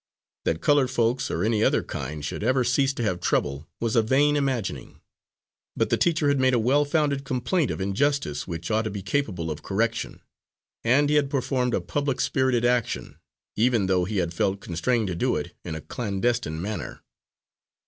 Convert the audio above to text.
That coloured folks, or any other kind, should ever cease to have trouble, was a vain imagining. But the teacher had made a well founded complaint of injustice which ought to be capable of correction; and he had performed a public spirited action, even though he had felt constrained to do it in a clandestine manner.